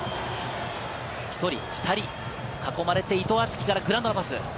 １人、２人、囲まれて、伊藤敦樹からグラウンダーのパス。